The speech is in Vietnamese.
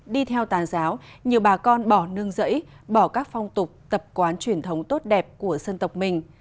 đi theo tàn giáo nhiều bà con bỏ nương dẫy bỏ các phong tục tập quán truyền thống tốt đẹp của dân tộc mình